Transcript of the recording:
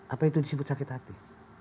apa itu disebut sakit hati